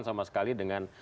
sama sekali dengan